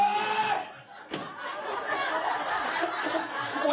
おい！